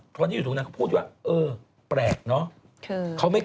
ตอนนี้อยู่ตรงนั้นเขาพูดว่าเออแปลกเนอะ